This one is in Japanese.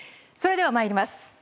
では、まいります。